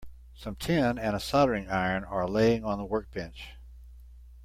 Some tin and a soldering iron are laying on the workbench.